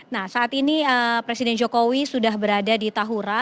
nah saat ini presiden jokowi sudah berada di tahura